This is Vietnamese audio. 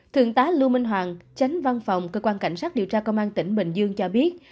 thượng tá lưu minh hoàng tránh văn phòng cơ quan cảnh sát điều tra công an tỉnh bình dương cho biết